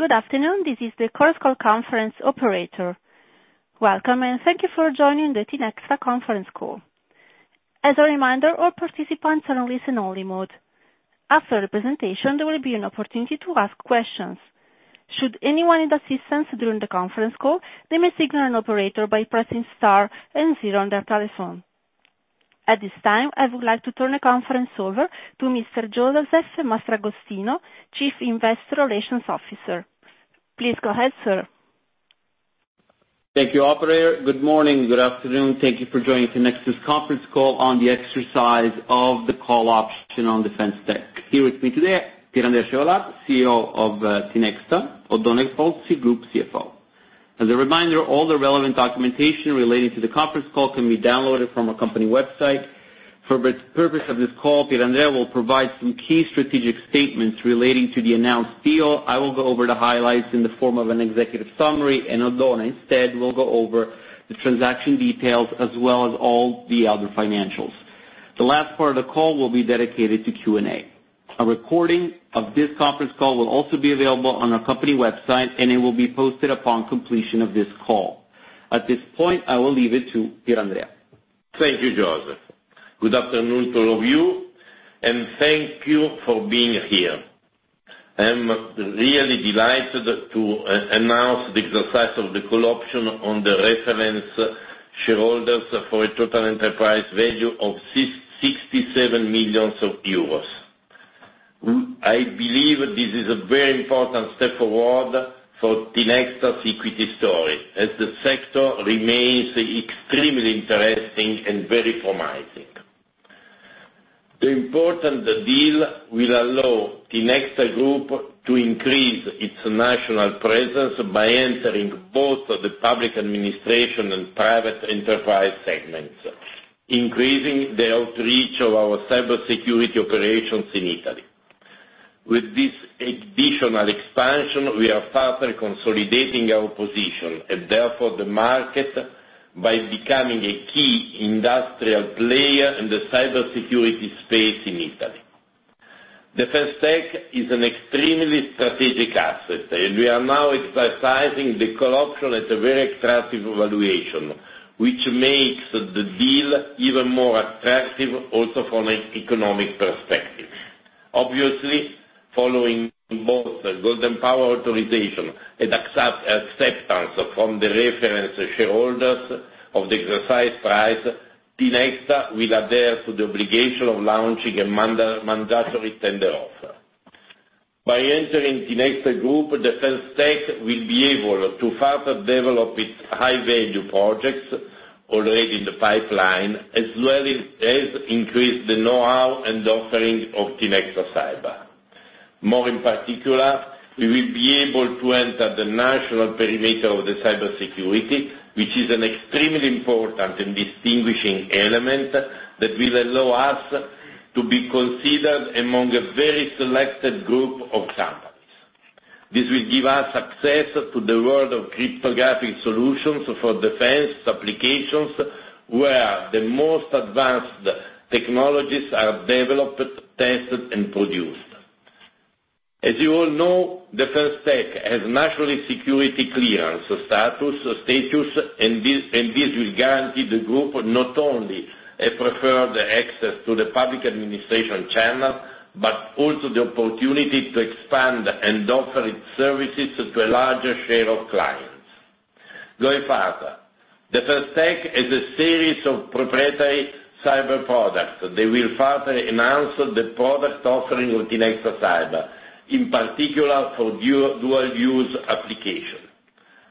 Good afternoon, this is the Chorus Call conference operator. Welcome, and thank you for joining the Tinexta conference call. As a reminder, all participants are on listen-only mode. After the presentation, there will be an opportunity to ask questions. Should anyone need assistance during the conference call, they may signal an operator by pressing star and zero on their telephone. At this time, I would like to turn the conference over to Mr. Josef Mastragostino, Chief Investor Relations Officer. Please go ahead, sir. Thank you, Operator. Good morning, good afternoon. Thank you for joining Tinexta's conference call on the exercise of the call option on Defense Tech. Here with me today, Pier Andrea Chevallard, CEO of Tinexta, Oddone Pozzi, Group CFO. As a reminder, all the relevant documentation relating to the conference call can be downloaded from our company website. For the purpose of this call, Pier Andrea will provide some key strategic statements relating to the announced deal. I will go over the highlights in the form of an executive summary, and Oddone instead will go over the transaction details as well as all the other financials. The last part of the call will be dedicated to Q&A. A recording of this conference call will also be available on our company website, and it will be posted upon completion of this call. At this point, I will leave it to Pier Andrea. Thank you, Josef. Good afternoon to all of you, and thank you for being here. I'm really delighted to announce the exercise of the call option on the reference shareholders for a total enterprise value of 67 million euros. I believe this is a very important step forward for Tinexta's equity story, as the sector remains extremely interesting and very promising. The important deal will allow Tinexta Group to increase its national presence by entering both the public administration and private enterprise segments, increasing the outreach of our cybersecurity operations in Italy. With this additional expansion, we are further consolidating our position and therefore the market by becoming a key industrial player in the cybersecurity space in Italy. Defense Tech is an extremely strategic asset, and we are now exercising the call option at a very attractive valuation, which makes the deal even more attractive also from an economic perspective. Obviously, following both Golden Power authorization and acceptance from the reference shareholders of the exercise price, Tinexta will adhere to the obligation of launching a mandatory tender offer. By entering Tinexta Group, Defense Tech will be able to further develop its high-value projects already in the pipeline, as well as increase the know-how and offering of Tinexta Cyber. More in particular, we will be able to enter the national perimeter of the cybersecurity, which is an extremely important and distinguishing element that will allow us to be considered among a very selected group of companies. This will give us access to the world of cryptographic solutions for defense applications where the most advanced technologies are developed, tested, and produced. As you all know, Defense Tech has national security clearance status and this will guarantee the group not only a preferred access to the public administration channel, but also the opportunity to expand and offer its services to a larger share of clients. Going further, Defense Tech is a series of proprietary cyber products. They will further enhance the product offering of Tinexta Cyber, in particular for dual-use application.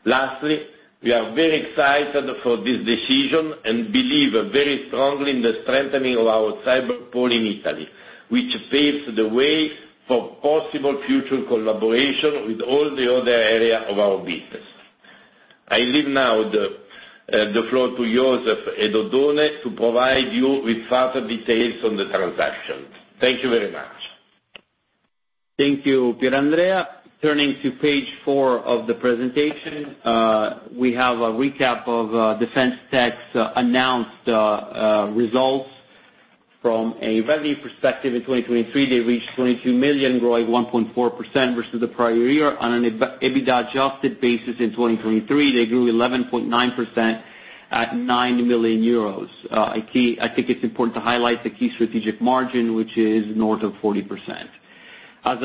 Lastly, we are very excited for this decision and believe very strongly in the strengthening of our cyber pole in Italy, which paves the way for possible future collaboration with all the other areas of our business. I leave now the floor to Josef and Oddone to provide you with further details on the transaction. Thank you very much. Thank you, Pier Andrea. Turning to page four of the presentation, we have a recap of Defense Tech's announced results. From a revenue perspective, in 2023, they reached 22 million, growing 1.4% versus the prior year. On an EBITDA-adjusted basis, in 2023, they grew 11.9% at 9 million euros. I think it's important to highlight the key strategic margin, which is north of 40%. As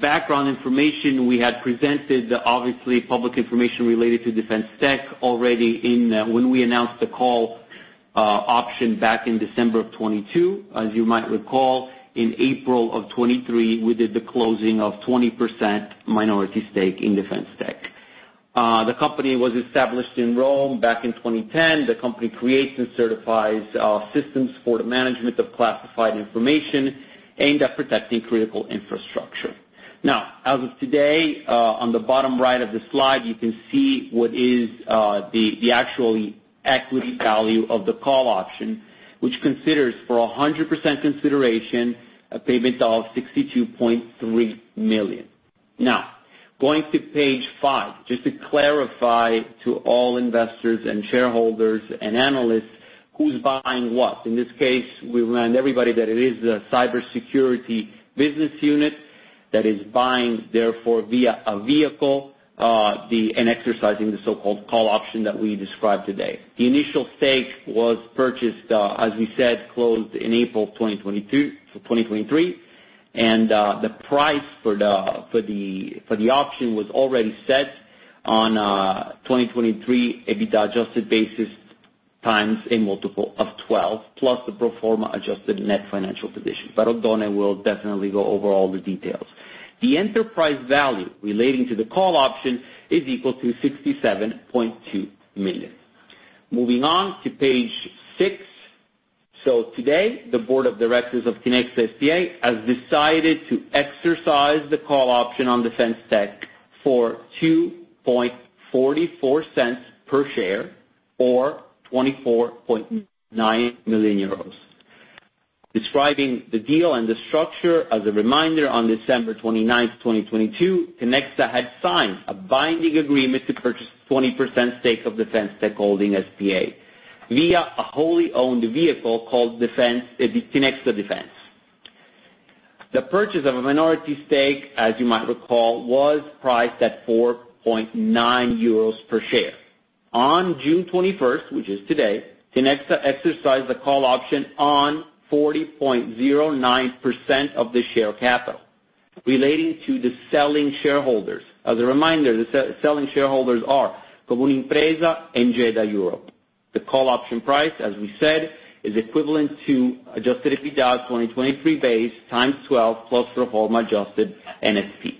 background information, we had presented, obviously, public information related to Defense Tech already when we announced the call option back in December of 2022. As you might recall, in April of 2023, we did the closing of 20% minority stake in Defense Tech. The company was established in Rome back in 2010. The company creates and certifies systems for the management of classified information aimed at protecting critical infrastructure. Now, as of today, on the bottom right of the slide, you can see what is the actual equity value of the call option, which considers for 100% consideration a payment of 62.3 million. Now, going to page five, just to clarify to all investors and shareholders and analysts who's buying what. In this case, we remind everybody that it is a cybersecurity business unit that is buying, therefore, via a vehicle and exercising the so-called call option that we described today. The initial stake was purchased, as we said, closed in April 2023, and the price for the option was already set on a 2023 EBITDA-adjusted basis times a multiple of 12, plus the pro forma adjusted net financial position. But Oddone will definitely go over all the details. The enterprise value relating to the call option is equal to 67.2 million. Moving on to page six. So today, the board of directors of Tinexta S.p.A. has decided to exercise the call option on Defense Tech Holding S.p.A. for 2.44 per share or 24.9 million euros. Describing the deal and the structure, as a reminder, on 29 December 2022, Tinexta had signed a binding agreement to purchase 20% stake of Defense Tech Holding S.p.A. via a wholly owned vehicle called Tinexta Defense. The purchase of a minority stake, as you might recall, was priced at 4.9 euros per share. On 21 June, which is today, Tinexta exercised the call option on 40.09% of the share capital relating to the selling shareholders. As a reminder, the selling shareholders are Comunimpresa and GE.DA Europe. The call option price, as we said, is equivalent to adjusted EBITDA 2023 base times 12x plus pro forma adjusted NFP.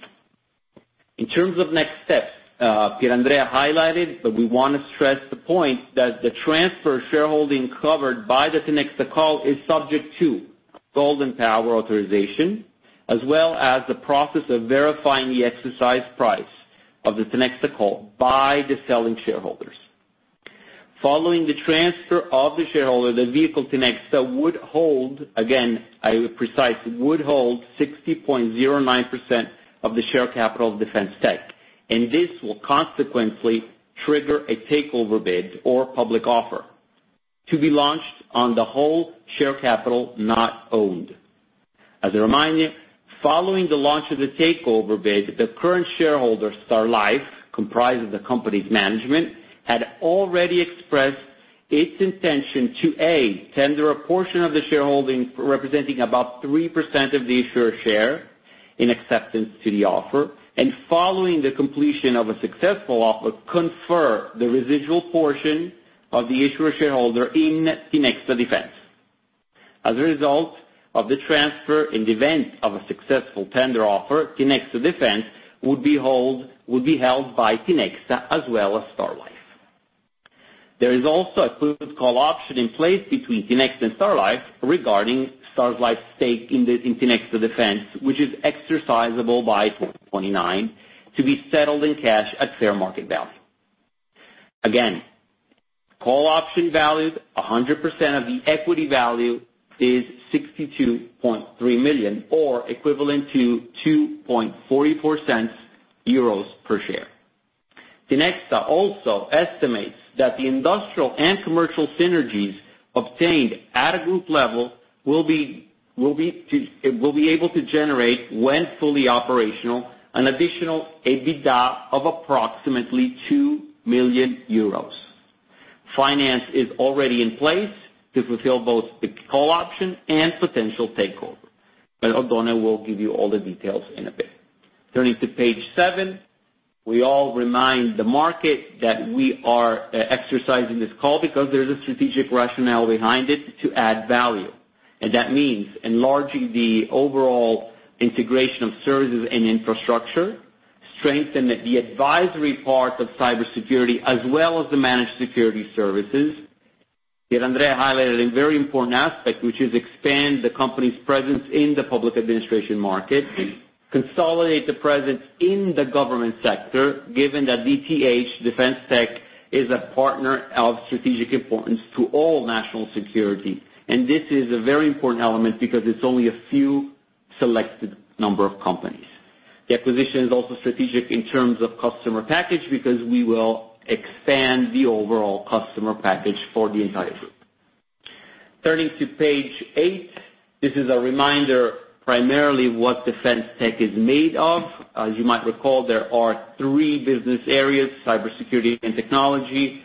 In terms of next steps, Pier Andrea highlighted, but we want to stress the point that the transfer of shareholding covered by the Tinexta call is subject to Golden Power authorization, as well as the process of verifying the exercise price of the Tinexta call by the selling shareholders. Following the transfer of the shareholding, the vehicle Tinexta would hold, again, I would precise, would hold 60.09% of the share capital of Defense Tech, and this will consequently trigger a takeover bid or public offer to be launched on the whole share capital not owned. As a reminder, following the launch of the takeover bid, the current shareholder, Starlife, comprised of the company's management, had already expressed its intention to tender a portion of the shareholding representing about 3% of the issuer's shares in acceptance to the offer, and following the completion of a successful offer, confer the residual portion of its shareholding in Tinexta Defense. As a result of the transfer, in the event of a successful tender offer, Tinexta Defense would be held by Tinexta as well as Starlife. There is also a put/call option in place between Tinexta and Starlife regarding Starlife's stake in Tinexta Defense, which is exercisable by 2029 to be settled in cash at fair market value. Again, call option valued 100% of the equity value is 62.3 million or equivalent to 0.0244 per share. Tinexta also estimates that the industrial and commercial synergies obtained at a group level will be able to generate, when fully operational, an additional EBITDA of approximately 2 million euros. Finance is already in place to fulfill both the call option and potential takeover, but Oddone will give you all the details in a bit. Turning to page seven, we all remind the market that we are exercising this call because there is a strategic rationale behind it to add value. That means enlarging the overall integration of services and infrastructure, strengthening the advisory part of cybersecurity as well as the managed security services. Pier Andrea highlighted a very important aspect, which is expand the company's presence in the public administration market, consolidate the presence in the government sector, given that DTH Defense Tech is a partner of strategic importance to all national security. This is a very important element because it's only a few selected number of companies. The acquisition is also strategic in terms of customer package because we will expand the overall customer package for the entire group. Turning to page eight, this is a reminder primarily of what Defense Tech is made of. As you might recall, there are three business areas: cybersecurity and technology,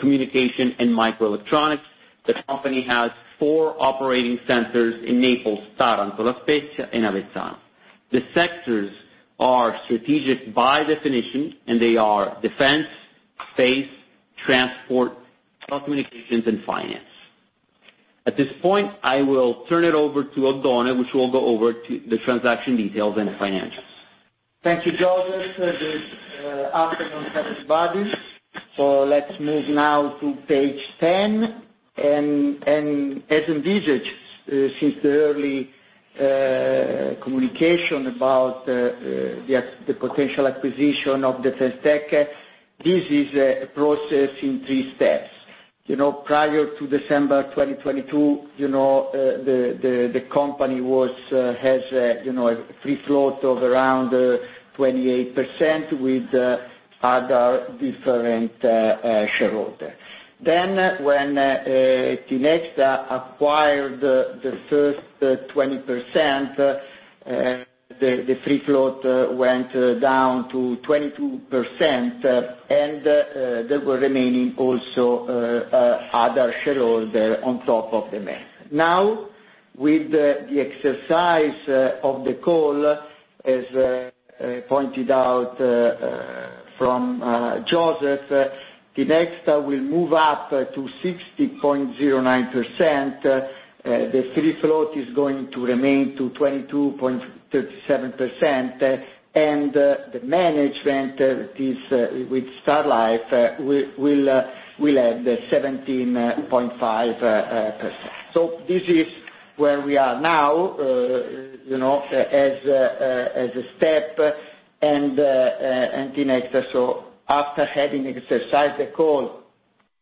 communication, and microelectronics. The company has four operating centers in Naples, Taranto, La Spezia, and Avezzano. The sectors are strategic by definition, and they are defense, space, transport, telecommunications, and finance. At this point, I will turn it over to Oddone, which will go over the transaction details and the financials. Thank you, Josef, for this afternoon for everybody. So let's move now to page 10. As envisaged since the early communication about the potential acquisition of Defense Tech, this is a process in three steps. Prior to December 2022, the company has a free float of around 28% with other different shareholders. When Tinexta acquired the first 20%, the free float went down to 22%, and there were remaining also other shareholders on top of the management. Now, with the exercise of the call, as pointed out from Josef, Tinexta will move up to 60.09%. The free float is going to remain to 22.37%, and the management with Starlife will add the 17.5%. So this is where we are now as a step, and Tinexta, so after having exercised the call,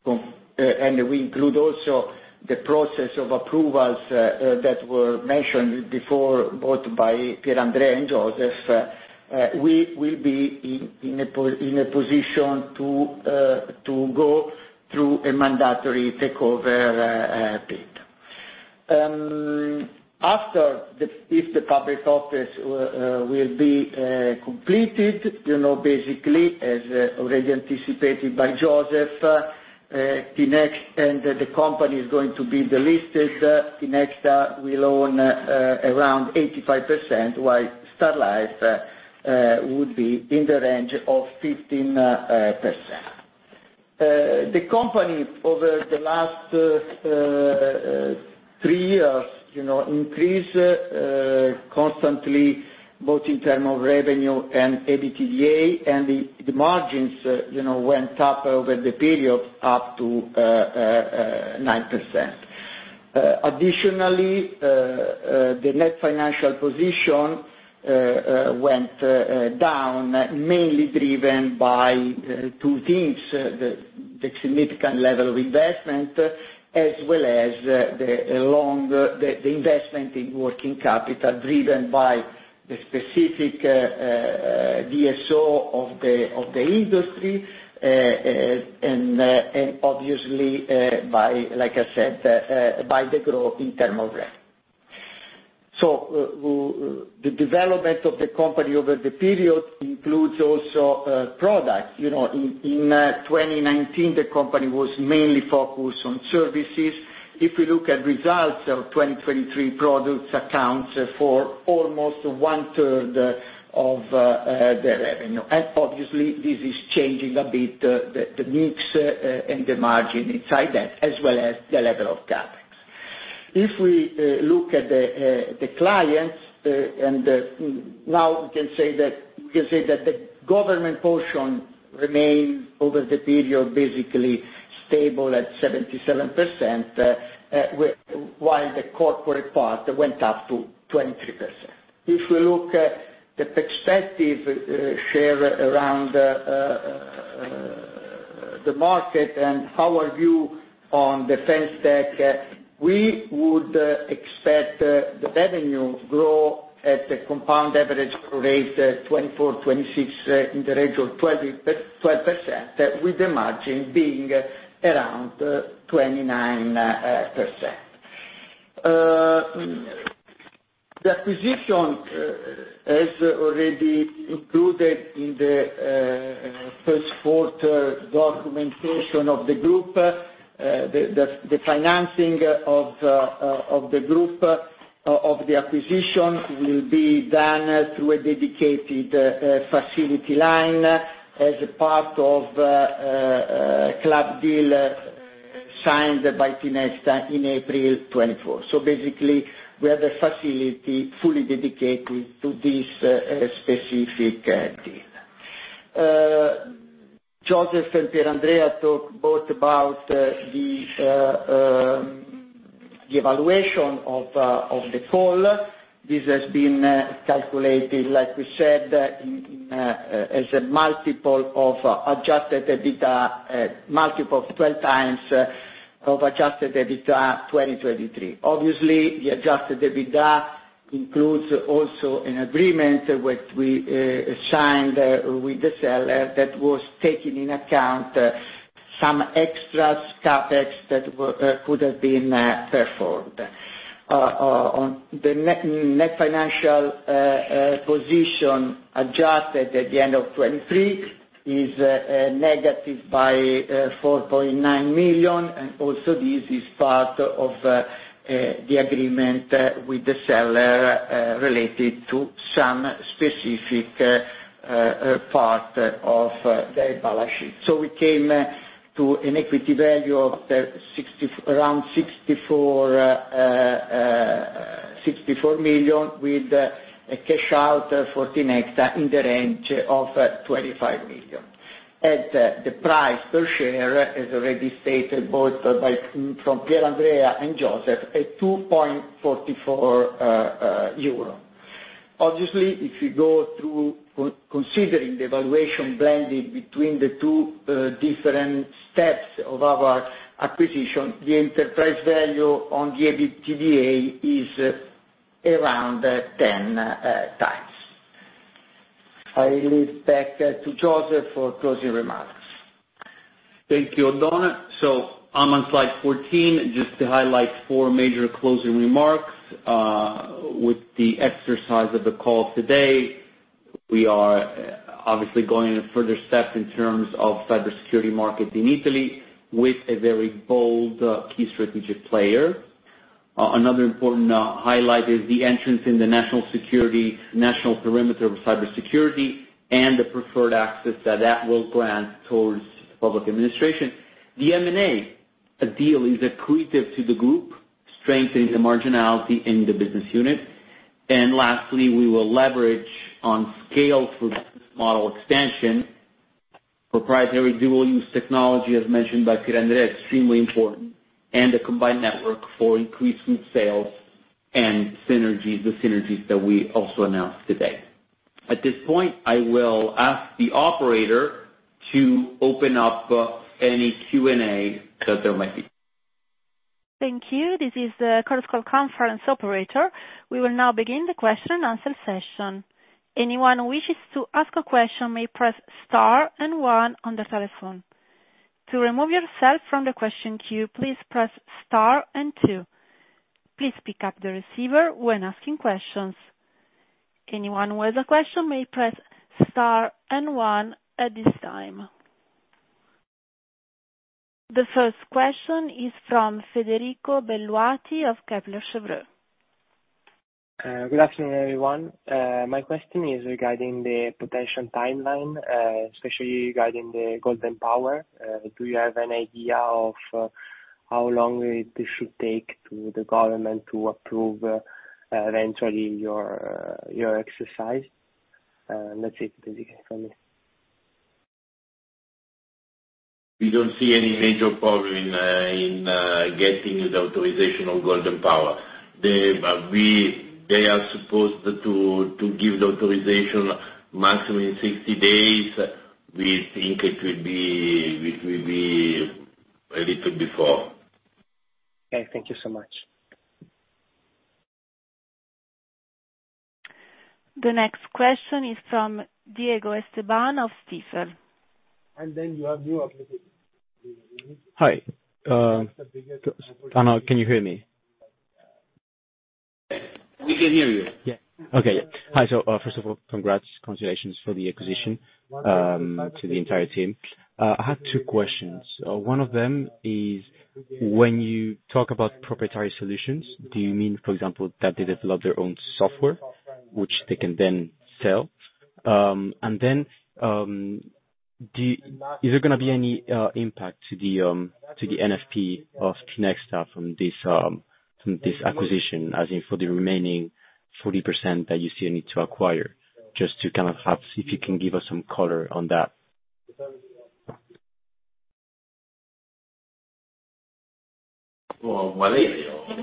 and we include also the process of approvals that were mentioned before both by Pier Andrea and Josef, we will be in a position to go through a mandatory takeover bid. After the public offer will be completed, basically, as already anticipated by Josef, Tinexta and the company is going to be delisted. Tinexta will own around 85%, while Starlife would be in the range of 15%. The company, over the last three years, increased constantly, both in terms of revenue and EBITDA, and the margins went up over the period up to 9%. Additionally, the net financial position went down, mainly driven by two things: the significant level of investment, as well as the investment in working capital driven by the specific DSO of the industry, and obviously, like I said, by the growth in terms of revenue. The development of the company over the period includes also products. In 2019, the company was mainly focused on services. If we look at results of 2023, products account for almost one-third of the revenue. Obviously, this is changing a bit the mix and the margin inside that, as well as the level of CapEx. If we look at the clients, and now we can say that the government portion remained over the period basically stable at 77%, while the corporate part went up to 23%. If we look at the perspective share around the market and how are you on Defense Tech, we would expect the revenue to grow at a compound average rate of 2024 to 2026 in the range of 12%, with the margin being around 29%. The acquisition has already included in the first quarter documentation of the group. The financing of the group of the acquisition will be done through a dedicated facility line as part of a club deal signed by Tinexta in April 2024. So basically, we have a facility fully dedicated to this specific deal. Josef and Pier Andrea talked both about the valuation of the call. This has been calculated, like we said, as a multiple of adjusted EBITDA, a multiple of 12x adjusted EBITDA 2023. Obviously, the Adjusted EBITDA includes also an agreement which we signed with the seller that was taking into account some extra CapEx that could have been performed. The net financial position adjusted at the end of 2023 is negative by 4.9 million, and also this is part of the agreement with the seller related to some specific part of the balance sheet. We came to an equity value of around 64 million with a cash out for Tinexta in the range of 25 million. The price per share, as already stated both by Pier Andrea and Josef, is 2.44 euro. Obviously, if you go through considering the valuation blended between the two different steps of our acquisition, the enterprise value on the EBITDA is around 10x. I leave it back to Josef for closing remarks. Thank you, Oddone. So I'm on slide 14 just to highlight four major closing remarks. With the exercise of the call today, we are obviously going to further steps in terms of cybersecurity market in Italy with a very bold key strategic player. Another important highlight is the entrance in the national perimeter of cybersecurity and the preferred access that that will grant towards public administration. The M&A deal is accretive to the group, strengthening the marginality in the business unit. And lastly, we will leverage on scale for business model expansion, proprietary dual-use technology as mentioned by Pier Andrea, extremely important, and a combined network for increased sales and synergies, the synergies that we also announced today. At this point, I will ask the operator to open up any Q&A that there might be. Thank you. This is the Chorus Call call conference operator. We will now begin the question-and-answer session. Anyone who wishes to ask a question may press star and one on the telephone. To remove yourself from the question queue, please press star and two. Please pick up the receiver when asking questions. Anyone who has a question may press star and one at this time. The first question is from Federico Belluati of Kepler Cheuvreux. Good afternoon, everyone. My question is regarding the potential timeline, especially regarding the Golden Power. Do you have an idea of how long it should take for the government to approve eventually your exercise? That's it, basically, from me. We don't see any major problem in getting the authorization of Golden Power. They are supposed to give the authorization maximum in 60 days. We think it will be a little before. Okay. Thank you so much. The next question is from Diego Esteban of Stifel. Hi. Oddone, can you hear me? We can hear you. Yeah. Okay. Hi. So first of all, congrats, congratulations for the acquisition to the entire team. I have two questions. One of them is when you talk about proprietary solutions, do you mean, for example, that they develop their own software, which they can then sell? And then is there going to be any impact to the NFP of Tinexta from this acquisition, as in for the remaining 40% that you still need to acquire, just to kind of see if you can give us some color on that? Well,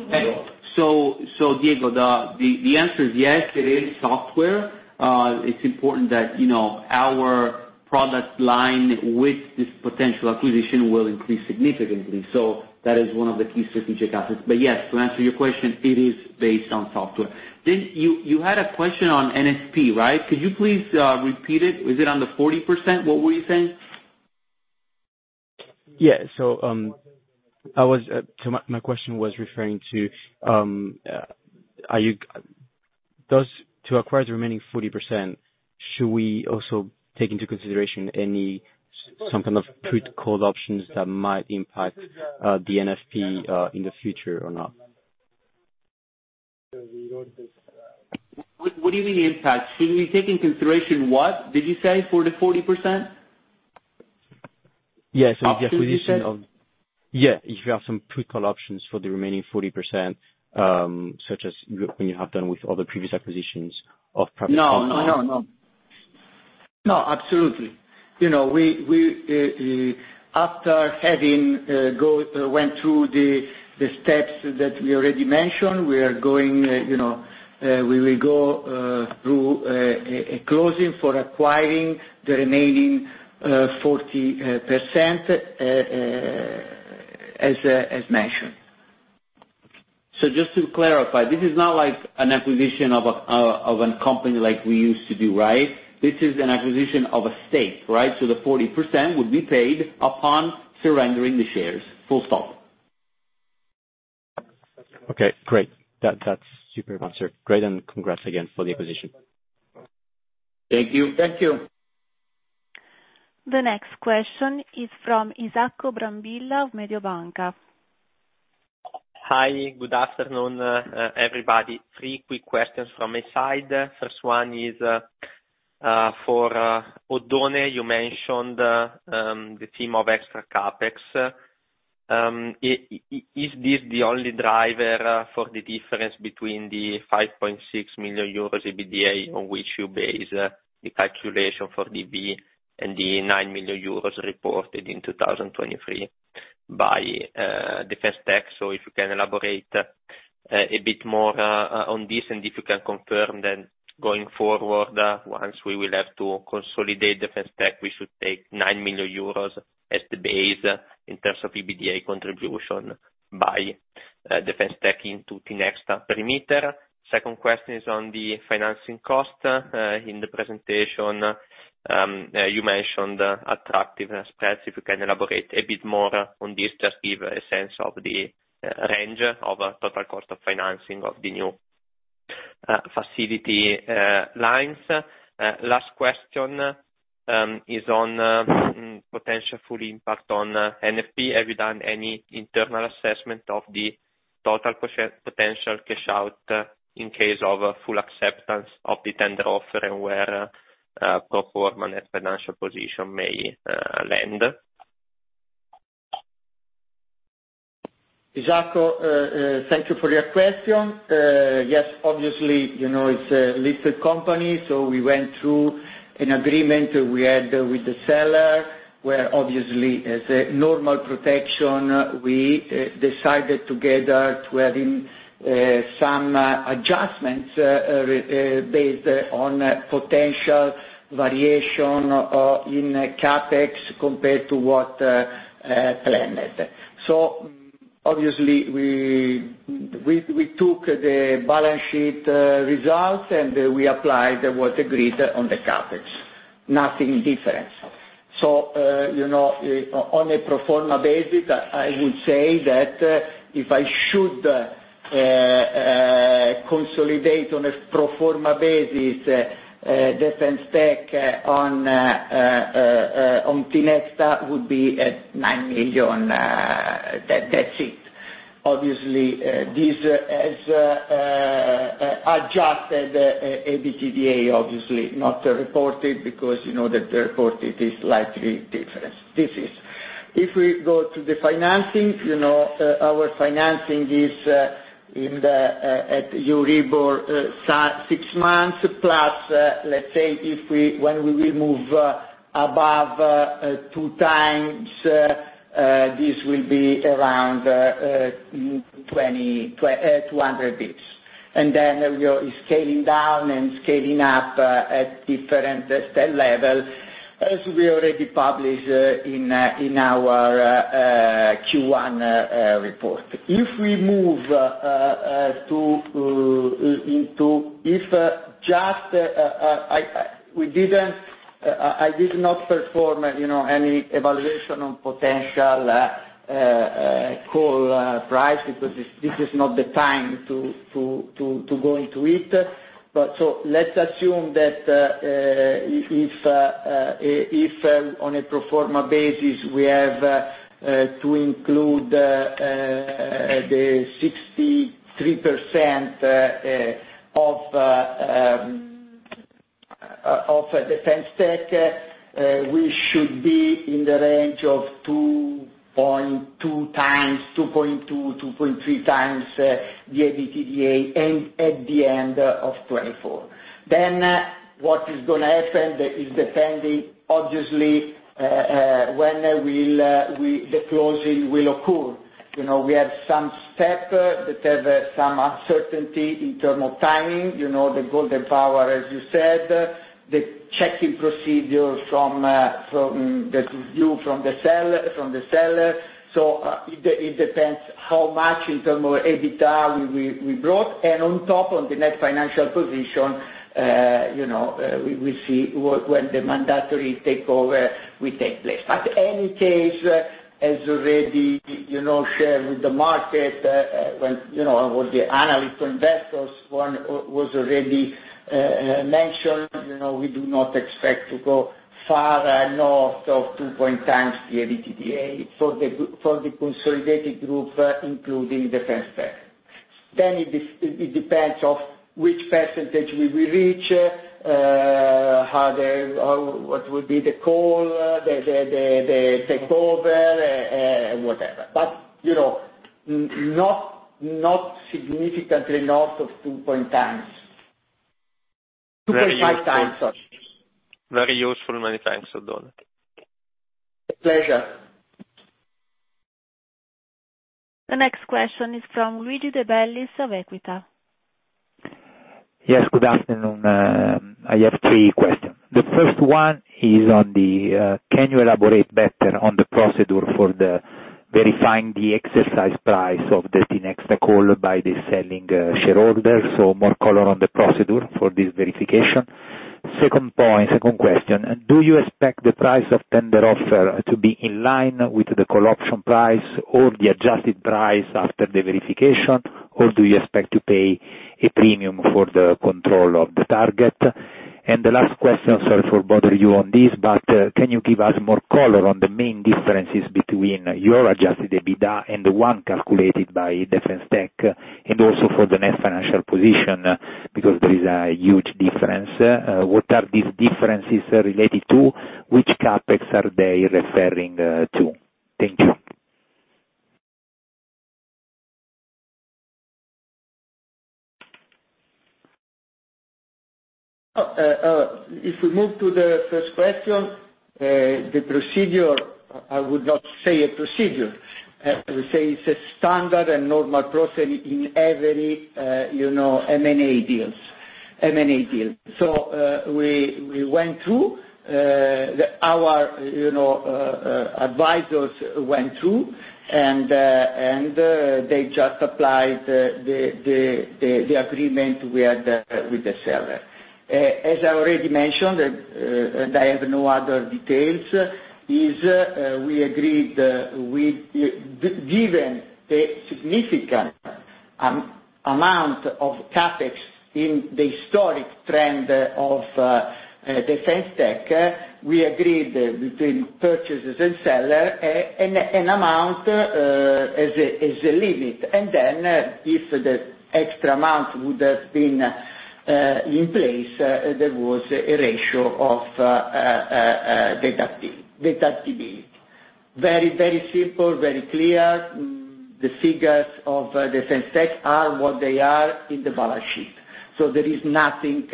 thank you. So Diego, the answer is yes, it is software. It's important that our product line with this potential acquisition will increase significantly. So that is one of the key strategic assets. But yes, to answer your question, it is based on software. Then you had a question on NFP, right? Could you please repeat it? Is it under 40%? What were you saying? Yeah. So my question was referring to acquire the remaining 40%. Should we also take into consideration some kind of put-call options that might impact the NFP in the future or not? What do you mean impact? Should we take into consideration what? Did you say for the 40%? Yeah. So if you have some put-call options for the remaining 40%, such as when you have done with other previous acquisitions of private software. No, no, no, no. No, absolutely. After having went through the steps that we already mentioned, we will go through a closing for acquiring the remaining 40%, as mentioned. So just to clarify, this is not like an acquisition of a company like we used to do, right? This is an acquisition of a stake, right? So the 40% would be paid upon surrendering the shares. Full stop. Okay. Great. That's super answer. Great. Congrats again for the acquisition. Thank you. Thank you. The next question is from Isacco Brambilla of Mediobanca. Hi. Good afternoon, everybody. Three quick questions from my side. First one is for Oddone, you mentioned the theme of extra CapEx. Is this the only driver for the difference between the 5.6 million euros EBITDA on which you base the calculation for DT and the 9 million euros reported in 2023 by Defense Tech? So if you can elaborate a bit more on this, and if you can confirm that going forward, once we will have to consolidate Defense Tech, we should take 9 million euros as the base in terms of EBITDA contribution by Defense Tech into Tinexta perimeter. Second question is on the financing cost. In the presentation, you mentioned attractive spreads. If you can elaborate a bit more on this, just give a sense of the range of total cost of financing of the new facility lines. Last question is on potential full impact on NFP. Have you done any internal assessment of the total potential cash out in case of full acceptance of the tender offer and where pro forma and financial position may land? Isacco, thank you for your question. Yes, obviously, it's a listed company, so we went through an agreement we had with the seller where, obviously, as a normal protection, we decided together to add in some adjustments based on potential variation in CapEx compared to what planned. So obviously, we took the balance sheet results and we applied what agreed on the CapEx. Nothing different. So on a pro forma basis, I would say that if I should consolidate on a pro forma basis, Defense Tech on Tinexta would be at 9 million. That's it. Obviously, this has adjusted EBITDA, obviously, not reported because the reported is slightly different. If we go to the financing, our financing is at Euribor 6-month plus, let's say, when we will move above two times, this will be around 200 basis points. And then we are scaling down and scaling up at different levels, as we already published in our Q1 report. If we move into it, I did not perform any evaluation on potential call price because this is not the time to go into it. So let's assume that if on a pro forma basis, we have to include the 63% of Defense Tech, we should be in the range of 2.2x, 2.3x the EBITDA at the end of 2024. Then what is going to happen is depending, obviously, when the closing will occur. We have some steps that have some uncertainty in terms of timing, the Golden Power, as you said, the checking procedure that is due from the seller. So it depends how much in terms of EBITDA we brought. On top, on the net financial position, we will see when the mandatory takeover will take place. But in any case, as already shared with the market, what the analysts or investors was already mentioned, we do not expect to go far north of 2.0x the EBITDA for the consolidated group, including Defense Tech. It depends on which percentage we will reach, what will be the call, the takeover, whatever. But not significantly north of 2.5x. Very useful, many thanks, Oddone. Pleasure. The next question is from Luigi de Bellis of Equita. Yes, good afternoon. I have three questions. The first one is on the, can you elaborate better on the procedure for verifying the exercise price of the Tinexta call by the selling shareholder? So more color on the procedure for this verification. Second question, do you expect the price of tender offer to be in line with the call option price or the adjusted price after the verification, or do you expect to pay a premium for the control of the target? And the last question, sorry for bothering you on this, but can you give us more color on the main differences between your adjusted EBITDA and the one calculated by Defense Tech and also for the net financial position because there is a huge difference? What are these differences related to? Which CapEx are they referring to? Thank you. If we move to the first question, the procedure, I would not say a procedure. I would say it's a standard and normal process in every M&A deal. So we went through, our advisors went through, and they just applied the agreement we had with the seller. As I already mentioned, and I have no other details, is we agreed with given the significant amount of CapEx in the historic trend of Defense Tech, we agreed between purchasers and sellers an amount as a limit. And then if the extra amount would have been in place, there was a ratio of deductibility. Very, very simple, very clear. The figures of Defense Tech are what they are in the balance sheet. So there is nothing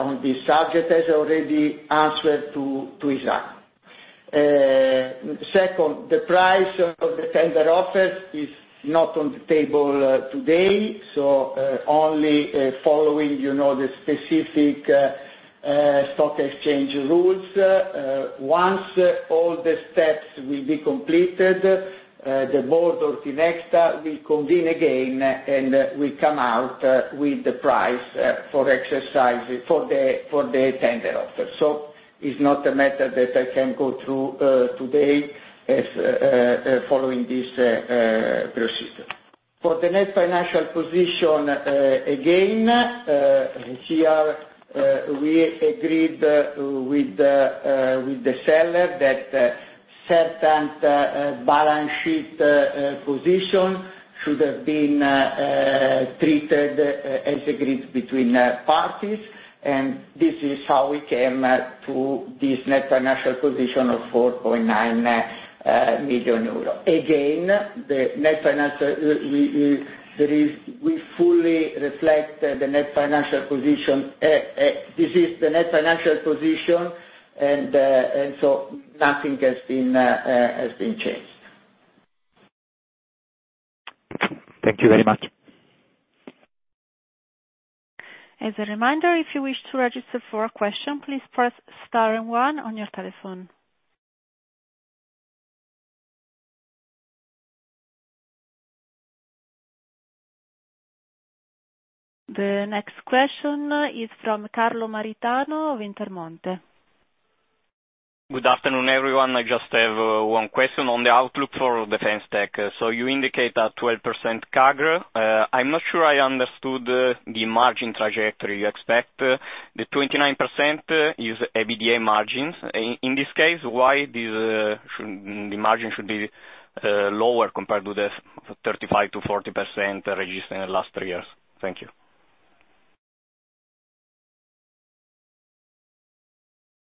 on this subject, as I already answered to Isacco. Second, the price of the tender offers is not on the table today, so only following the specific stock exchange rules. Once all the steps will be completed, the board or Tinexta will convene again and will come out with the price for exercise for the tender offer. So it's not a matter that I can go through today following this procedure. For the net financial position, again, we agreed with the seller that certain balance sheet position should have been treated as agreed between parties, and this is how we came to this net financial position of 4.9 million euro. Again, we fully reflect the net financial position. This is the net financial position, and so nothing has been changed. Thank you very much. As a reminder, if you wish to register for a question, please press star and one on your telephone. The next question is from Carlo Maritano of Intermonte. Good afternoon, everyone. I just have one question on the outlook for Defense Tech. So you indicate a 12% CAGR. I'm not sure I understood the margin trajectory you expect. The 29% is EBITDA margins. In this case, why should the margin be lower compared to the 35% to 40% registered in the last three years? Thank you.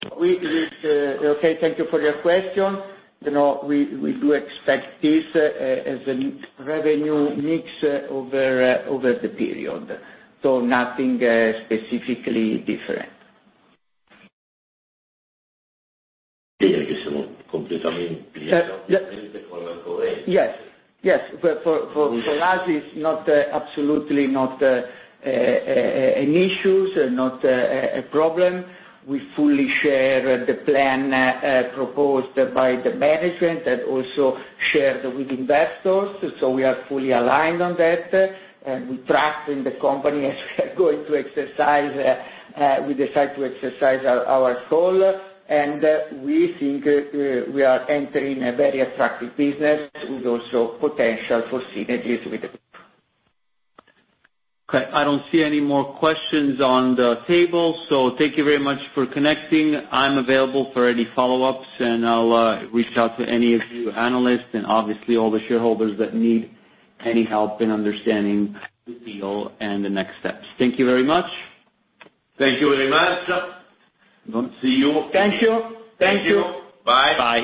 Okay. Thank you for your question. We do expect this as a revenue mix over the period. So nothing specifically different. Yes. For us, it's absolutely not an issue, not a problem. We fully share the plan proposed by the management and also shared with investors. So we are fully aligned on that. And we trust in the company as we are going to exercise our call. And we think we are entering a very attractive business with also potential for synergies with the group. Okay. I don't see any more questions on the table. So thank you very much for connecting. I'm available for any follow-ups, and I'll reach out to any of you analysts and obviously all the shareholders that need any help in understanding the deal and the next steps. Thank you very much. Thank you very much. See you. Thank you. Thank you. Bye. Bye.